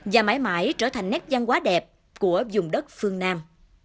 và mãi mãi trở thành nét văn hóa đẹp của dùng đất phương nam